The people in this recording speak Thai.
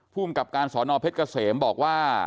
ภูมิกับการสอนอเพชรเกษมบอกว่า